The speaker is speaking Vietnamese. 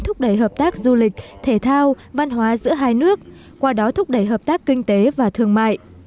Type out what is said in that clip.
thúc đẩy hợp tác du lịch thể thao văn hóa giữa hai nước qua đó thúc đẩy hợp tác kinh tế và thương mại